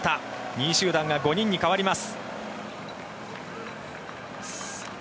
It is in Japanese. ２位集団が５人に変わります。